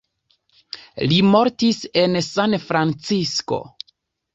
Li mortis en Sanfrancisko.